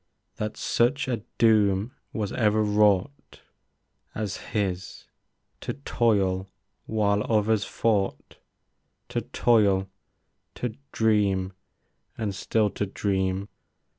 That such a doom was ever wrought As his, to toil while others fought ; To toil, to dream — and still to dream.